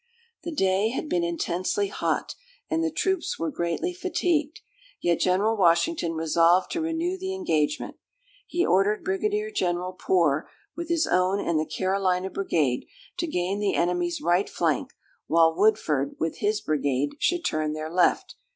The day had been intensely hot, and the troops were greatly fatigued; yet General Washington resolved to renew the engagement. He ordered Brigadier General Poor, with his own and the Carolina brigade, to gain the enemy's right flank, while Woodford, with his brigade, should turn their left.